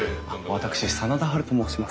私真田ハルと申します。